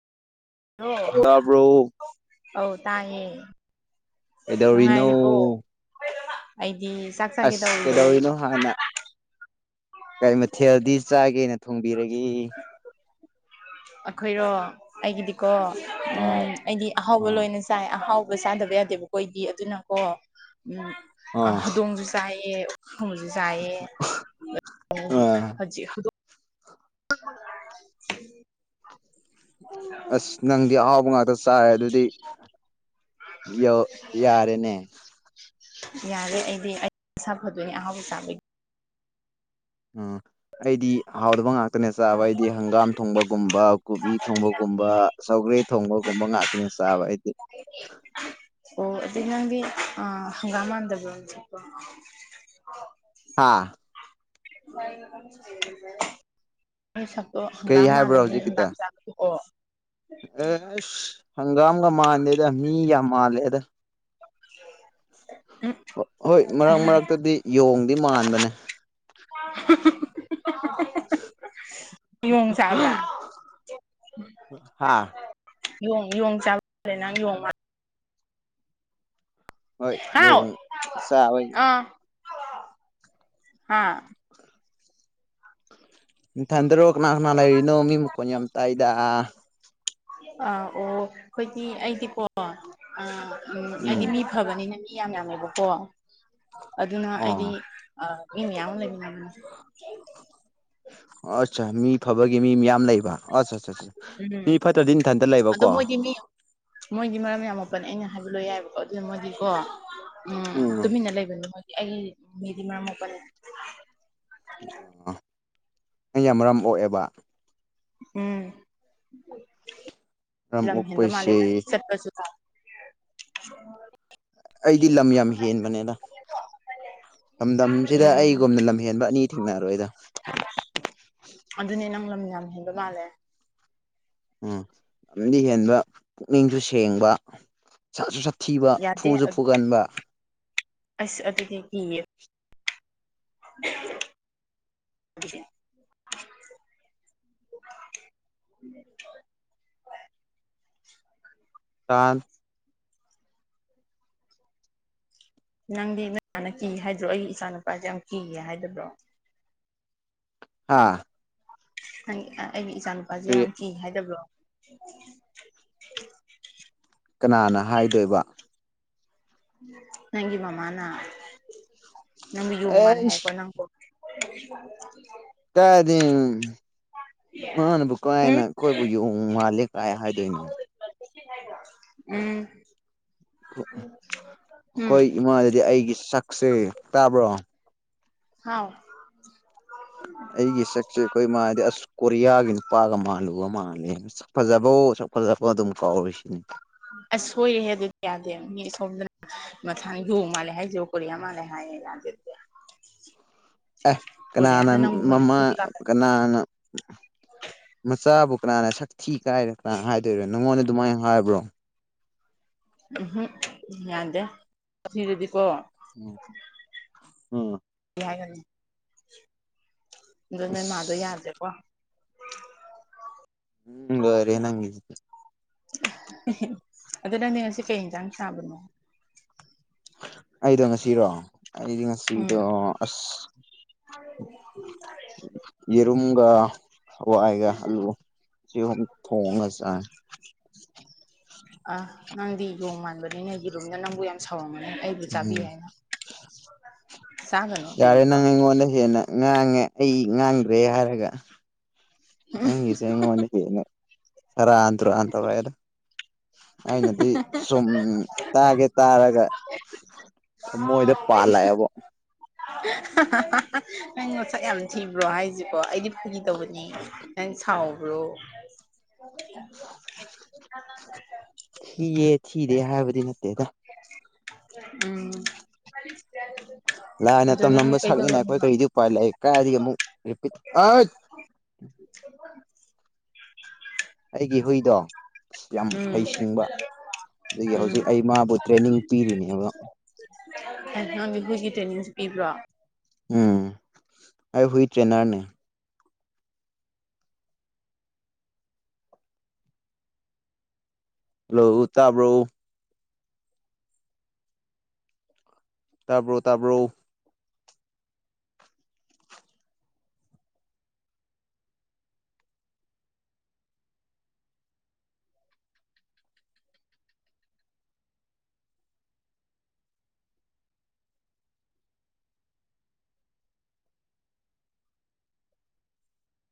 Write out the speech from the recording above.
hello ꯍꯇꯥꯕ꯭ꯔꯎ ꯑꯧ ꯇꯥꯡꯉꯦ ꯀꯗꯧꯔꯤꯅꯣ ꯑꯩꯗꯤ ꯆꯥꯛ ꯆꯥꯒꯦ ꯑꯁ ꯇꯧꯔꯤꯌꯦ ꯀꯩꯗꯧꯔꯤꯅꯣ ꯍꯥꯟꯅ ꯀꯔꯤ ꯃꯊꯦꯜꯗꯤ ꯆꯥꯒꯦꯅ ꯊꯣꯡꯕꯤꯔꯒ ꯑꯩꯈꯣꯏꯔꯣ ꯑꯩꯒꯤꯗꯤ ꯀꯣ ꯍꯣꯏ ꯑꯩꯗꯤ ꯑꯍꯥꯎꯕ ꯎꯝ ꯂꯣꯏꯅ ꯆꯥꯏ ꯑꯍꯥꯎ ꯆꯗꯕ ꯌꯥꯗꯦꯕꯀꯣ ꯑꯩꯗꯤ ꯑꯗꯨꯅ ꯀꯣ ꯎꯝ ꯑꯥ ꯍꯧꯗꯣꯡꯁꯨ ꯆꯥꯏꯌꯦ ꯑꯣꯛꯊꯣꯡꯕꯖꯨ ꯆꯥꯏꯌꯦ ꯑꯥ ꯍꯧꯖꯤꯛ ꯍꯧꯗꯣꯡ ꯑꯁ ꯅꯪꯗꯤ ꯑꯍꯥꯎꯕ ꯉꯥꯛꯇ ꯆꯥꯏꯦ ꯑꯗꯨꯗꯤ ꯌꯧ ꯌꯥꯔꯦꯅꯦ ꯌꯥꯔꯦ ꯑꯩꯗꯤ ꯑꯩ ꯏꯁꯁꯥ ꯐꯗꯣꯏꯅꯦ ꯑꯍꯥꯎꯕ ꯆꯥꯕꯒꯤ ꯎꯝ ꯑꯩꯗꯤ ꯍꯥꯎꯗꯕ ꯉꯥꯛꯇꯅ ꯆꯥꯕ ꯑꯩꯗꯤ ꯍꯪꯒꯥꯝ ꯊꯣꯡꯕꯒꯨꯝꯕ ꯀꯣꯕꯤ ꯊꯣꯡꯕꯒꯨꯝꯕ ꯁꯧꯒ꯭ꯔꯤ ꯊꯣꯡꯕꯒꯨꯝꯕ ꯉꯥꯛꯇꯅꯤ ꯆꯥꯕ ꯍꯥꯏꯗꯤ ꯑꯣ ꯑꯗꯨꯗ ꯅꯪꯒꯤ ꯑ ꯍꯪꯒꯥꯝ ꯃꯥꯟꯗꯕꯔꯣ ꯍꯥꯥ [unintelligible] ꯑꯩ ꯁꯛꯇꯣ ꯀꯩ ꯍꯪꯒꯥꯝ ꯍꯥꯏꯕ꯭ꯔꯣ ꯃꯥꯜꯂꯒꯦ ꯍꯪꯒꯥꯝ ꯍꯧꯖꯤꯛꯀꯤꯗ ꯆꯥꯕ ꯄꯣꯛꯑꯣ ꯑꯦꯁ ꯍꯪꯒꯥꯝꯒ ꯃꯥꯟꯗꯦꯗ ꯃꯤꯒ ꯃꯥꯜꯂꯦꯗ [unintelligible] ꯍꯣꯏ ꯃꯔꯛ ꯃꯔꯛꯇꯗꯤ ꯌꯣꯡꯗꯤ ꯃꯥꯟꯕꯅꯦ [unintelligible] ꯌꯣꯡ ꯆꯕ꯭ꯔꯥ ꯍꯥꯥ ꯌꯣꯡ ꯌꯣꯡ ꯆꯥꯕꯦ ꯅꯪ ꯌꯣꯡꯕ ꯃꯟ ꯍꯣꯏ ꯌꯣꯡ ꯆꯕꯩ ꯍꯥꯥ ꯏꯊꯟꯇ꯭ꯔꯣ ꯀꯅꯥ ꯀꯅꯥ ꯂꯩꯔꯤꯅꯣ ꯃꯤ ꯃꯈꯣꯟ ꯌꯥꯝ ꯇꯥꯏꯗ ꯑꯥ ꯑꯣ ꯑꯩꯈꯣꯏꯗꯤ ꯑꯩꯗꯤꯀꯣ ꯑꯥ ꯎꯝ ꯑꯩꯗꯤ ꯃꯤ ꯐꯕꯅꯤꯅ ꯃꯤ ꯌꯥꯝ ꯌꯥꯝꯃꯦꯕꯀꯣ ꯑꯗꯨꯅ ꯑꯩꯗꯤ ꯑꯣ ꯃꯤ ꯃꯌꯥꯝ ꯂꯩꯃꯤꯟꯅꯕꯅꯦ ꯑꯆꯥꯥ ꯃꯤ ꯐꯕꯒ ꯃꯤ ꯃꯌꯥꯝ ꯂꯩꯕ ꯑꯁꯥ ꯑꯁꯥ ꯎꯝ ꯃꯤ ꯐꯠꯇ꯭ꯔꯗꯤ ꯏꯊꯟꯇ ꯂꯩꯕꯀꯣ ꯌꯥꯝ ꯃꯄꯜꯟ ꯑꯩꯅ ꯍꯥꯏꯕ ꯂꯣ ꯌꯥꯏꯑꯕꯀꯣ ꯑꯗꯨꯅ ꯃꯣꯏꯗꯤꯀꯣ ꯎꯝ ꯇꯨꯃꯤꯟꯅ ꯂꯩꯕꯅꯤ ꯃꯣꯏ ꯑꯩ ꯃꯦꯗꯤ ꯃꯔꯝ ꯃꯣꯛꯄꯅꯦ ꯅꯪ ꯌꯥꯝ ꯃꯔꯝ ꯑꯣꯛꯑꯦꯕ ꯎꯝ ꯃꯔꯝ ꯂꯝ ꯍꯦꯟꯕ ꯃꯥꯜꯂꯦ ꯅꯪꯗꯤ ꯑꯣꯛꯄꯁꯦ ꯆꯠꯄꯁꯨ [unintelligible] ꯑꯩꯗꯤ ꯂꯝ ꯌꯥꯝ ꯍꯦꯟꯕꯅꯦꯗ ꯂꯝꯗꯝꯁꯤꯗ ꯎꯝ ꯑꯩꯒꯨꯝꯅ ꯂꯝꯍꯦꯟꯕ ꯑꯅꯤ ꯊꯦꯡꯅꯔꯣꯏꯗ ꯑꯗꯨꯅꯦ ꯅꯪ ꯂꯝ ꯌꯥꯝ ꯍꯦꯟꯕ ꯃꯥꯜꯂꯦ ꯎꯝ ꯂꯝꯗꯤ ꯍꯦꯟꯕ ꯄꯨꯛꯅꯤꯡꯁꯨ ꯁꯦꯡꯕ ꯁꯠꯁꯨ ꯁꯠ ꯊꯤꯕ ꯌꯥꯗꯦ ꯐꯨꯁꯨ ꯑꯗꯨꯗꯤ ꯐꯨꯒꯟꯕ ꯑꯁ ꯑꯗꯨꯗꯤ ꯀꯤꯌꯦ [unintelligible] [unintelligible] [unintelligible] ꯅꯪꯗꯤ ꯅꯣꯏ ꯃꯅꯥ ꯀꯤ ꯍꯥꯏꯗ꯭ꯔꯣ ꯑꯩꯒꯤ ꯏꯆꯥ ꯅꯨꯄꯥꯖꯦ ꯌꯥꯝ ꯀꯤꯌꯦ ꯍꯥꯏꯗꯕ꯭ꯔꯣ ꯍꯥꯥ ꯪ ꯑꯩꯒꯤ ꯏꯆꯥ ꯅꯨꯄꯥꯖꯦ ꯌꯥꯝ ꯀꯤ ꯍꯥꯏꯗꯕ꯭ꯔꯣ [unintelligible] ꯀꯅꯥꯅ ꯍꯥꯏꯗꯣꯏꯕ ꯅꯪꯒꯤ ꯃꯃꯥꯅ ꯅꯪꯕꯨ ꯌꯣꯡ ꯃꯥꯜꯂꯦ ꯍꯥꯏꯔꯛꯄ꯭ꯔꯣ ꯑꯦꯁ ꯅꯪꯕꯣ [unintelligible] ꯀꯥꯏꯗꯤ ꯃꯥꯅꯕꯨ ꯀꯥꯏꯅ ꯎꯝ ꯑꯩꯈꯣꯏꯕꯨ ꯌꯉ ꯃꯥ ꯀꯂ ꯀꯥꯏ ꯍꯥꯏꯗꯣꯏꯅꯣ ꯎꯝ ꯎꯝ ꯑꯩꯈꯣꯏ ꯏꯃꯥꯗꯗꯤ ꯑꯩꯒꯤ ꯁꯛꯁꯦ ꯇꯥꯕ꯭ꯔꯣ ꯍ ꯑꯩꯒꯤ ꯁꯛꯁꯦ ꯑꯩꯈꯣꯏ ꯃꯥꯗꯤ ꯑꯁ ꯀꯣꯔꯤꯌꯥꯒꯤ ꯅꯨꯄꯥꯒ ꯃꯥꯜꯂꯨꯕ ꯃꯥꯜꯂꯦ ꯐꯖꯕ ꯑꯣ ꯁ ꯀꯣꯖ ꯑꯁ ꯍꯣꯏꯔꯦ ꯑꯗꯨꯗꯤ ꯀꯌꯥꯗ ꯣꯗꯅ ꯃꯁꯥꯅ ꯌꯨ ꯃꯥꯜꯂꯦ ꯍꯥꯏ ꯣ ꯀꯣꯔꯤꯌꯥ ꯃꯥꯜꯂꯦ ꯍꯥꯏꯌꯦ ꯌꯥꯦ ꯑꯦ ꯀꯅꯥꯅ ꯃꯃꯥ ꯂꯥꯛꯀꯅꯤ ꯀꯅꯥꯅ ꯃꯆꯥꯕꯨ ꯀꯅꯥꯅ ꯁꯛꯊꯤ ꯀꯥꯏꯔ ꯀꯅꯥ ꯍꯥꯏꯗꯣꯏꯔꯅꯣ ꯅꯪꯉꯣꯟꯗ ꯑꯗꯨꯃꯥꯏꯅ ꯍꯥꯏꯕ꯭ꯔꯣ ꯎꯝꯝ ꯌꯥꯗꯦ ꯁꯤꯗꯨꯗꯤꯀꯣ ꯎꯝ ꯎꯝ ꯑꯗꯨ ꯅꯣꯏ ꯃꯥꯗꯣ ꯑꯁ ꯌꯥꯗ꯭ꯔꯦꯕꯣ ꯎꯝ ꯂꯣꯔꯦ ꯅꯪꯒꯤꯗꯨꯗꯤ ꯑꯗꯨ ꯅꯪꯗꯤ ꯉꯁꯤ ꯀꯩ ꯌꯦꯟꯁꯥꯡ ꯆꯕꯅꯣ ꯑꯩꯗꯣ ꯉꯁꯤꯔꯣ ꯑꯩꯗꯤ ꯉꯁꯤꯗꯣ ꯑꯁ ꯎ ꯌꯦꯔꯃꯒ ꯍꯋꯥ ꯑꯩꯒ ꯑꯜ ꯊꯑꯣꯒꯁ ꯑ ꯅꯪꯗꯤ ꯌꯣꯡ ꯃꯥꯟꯕꯅꯤꯅꯦ ꯌꯦꯔꯨꯝꯗ ꯅꯪꯕꯨ ꯌꯥꯝ ꯁꯥꯎꯔꯃꯦ ꯎꯝ ꯆꯥꯒꯅꯣ ꯌꯥꯔꯦ ꯌꯦꯔꯨꯝꯗꯣ ꯅꯪ ꯏꯣꯟꯗ ꯍꯦꯅꯦ ꯉꯥꯡꯉꯦ ꯑꯩ ꯉꯥꯡꯗ꯭ꯔꯦ ꯍꯥꯏꯔꯒ ꯅꯪꯁ ꯍꯉꯅꯤ ꯐꯔ ꯑ꯭ꯔꯣ ꯑꯇ꯭ꯔꯗꯣ ꯑꯅꯗꯤ ꯁꯣꯝ ꯇꯥꯒꯦ ꯇꯥꯔꯒ ꯃꯣꯏꯗ ꯄꯥꯜꯂꯛꯑꯦꯕ ꯅꯪ ꯃꯣꯠꯁꯛ ꯌꯥꯝ ꯊꯤꯕ꯭ꯔꯣ ꯍꯥꯏꯁꯤꯀꯣ ꯑꯩꯗꯤ ꯐꯔꯤꯗꯧꯕꯅꯤ ꯅꯪ ꯁꯥꯎ ꯑꯗꯨ꯭ꯔꯣ ꯊꯤꯌꯦ ꯊꯤꯗꯦ ꯍꯥꯏꯕꯗꯤ ꯅꯠꯇꯦꯗ ꯎꯝ ꯂꯥꯏꯅ ꯑꯗꯣ ꯅꯪ ꯇꯝꯂꯝꯕ ꯁꯛꯅꯤꯅ ꯑꯩꯈꯣꯏ ꯀꯩꯗꯧꯔꯝꯃꯤꯅꯣ ꯀꯔꯤꯗꯤ ꯎꯄꯥꯏ ꯂꯥꯛꯏꯦ ꯀꯥꯏꯗꯒꯤ ꯑꯃꯨꯛ ꯑ ꯑꯩꯒꯤ ꯍꯨꯏꯗꯣ ꯑ ꯌꯥꯝ ꯎꯝ ꯍꯩꯁꯤꯡꯕ ꯑꯗꯒꯤ ꯎꯝ ꯍꯧꯖꯤꯛ ꯑꯩ ꯃꯥꯕꯨ ꯇ꯭ꯔꯦꯅꯤꯡ ꯄꯤꯔꯤꯅꯦꯕ ꯅꯪꯒꯤ ꯍꯒꯤ ꯇ꯭ꯔꯦꯅꯤꯡꯁꯨ ꯄꯤꯕ꯭ꯔꯣ ꯎꯝ ꯑꯩ ꯍꯨꯏ ꯇ꯭ꯔꯦꯅꯔꯅꯦ ꯍꯜꯂꯣ ꯆꯥꯕ꯭ꯔꯣ ꯇꯥꯕ꯭ꯔꯣ ꯇꯥꯕ꯭ꯔꯣ